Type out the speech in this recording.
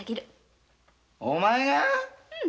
えお前が？